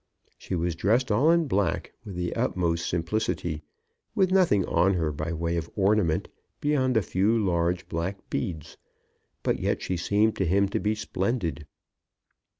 She was dressed all in black, with the utmost simplicity, with nothing on her by way of ornament beyond a few large black beads; but yet she seemed to him to be splendid.